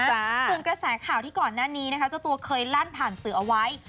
ส่วนกระแสข่าวที่ก่อนหน้านี้นะคะเจ้าตัวเคยลั่นผ่านสื่อเอาไว้